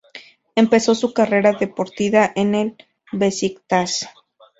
Empezó su carrera deportiva en el Beşiktaş.